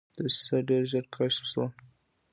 دسیسه ډېره ژر کشف شوه.